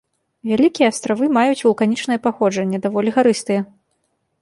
Вялікія астравы маюць вулканічнае паходжанне, даволі гарыстыя.